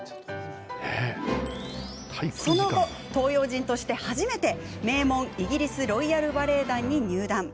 その後、東洋人として初めて名門イギリスロイヤル・バレエ団に入団。